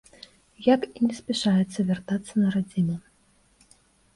Як і не спяшаецца вяртацца на радзіму.